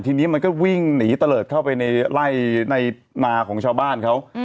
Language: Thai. ทีนี้มันก็วิ่งหนีตะเลิศเข้าไปในไล่ในนาของชาวบ้านเขา